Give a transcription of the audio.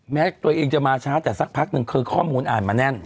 แม้ตัวเองจะมาช้าแต่สักพักหนึ่งคือข้อมูลอ่านมาแน่น